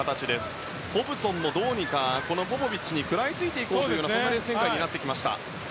ホブソンもどうにかポポビッチに食らいついていこうというそんなレース展開になってきました。